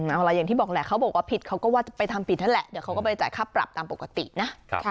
เอาล่ะอย่างที่บอกแหละเขาบอกว่าผิดเขาก็ว่าไปทำผิดนั่นแหละเดี๋ยวเขาก็ไปจ่ายค่าปรับตามปกตินะ